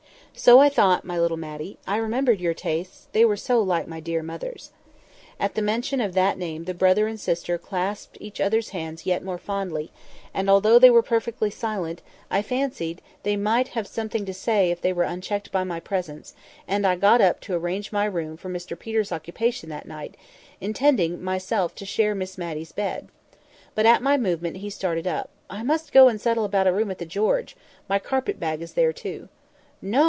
"So I thought, my little Matty. I remembered your tastes; they were so like my dear mother's." At the mention of that name the brother and sister clasped each other's hands yet more fondly, and, although they were perfectly silent, I fancied they might have something to say if they were unchecked by my presence, and I got up to arrange my room for Mr Peter's occupation that night, intending myself to share Miss Matty's bed. But at my movement, he started up. "I must go and settle about a room at the 'George.' My carpet bag is there too." "No!"